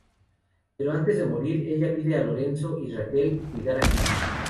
Pero antes de morir, ella pide a Lorenzo y Raquel cuidar a Gil.